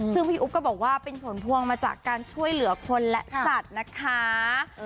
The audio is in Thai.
ซึ่งพี่อุ๊บก็บอกว่าเป็นผลพวงมาจากการช่วยเหลือคนและสัตว์นะคะ